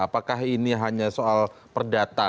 apakah ini hanya soal perdata